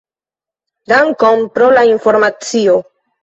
Dankon pro la informacio.